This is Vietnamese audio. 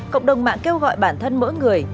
cộng đồng mạng kêu gọi bản thân mỗi người